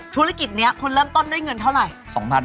ธุรกิจนี้คุณเริ่มต้นด้วยเงินเท่าไหร่